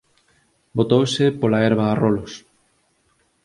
Botouse pola herba a rolos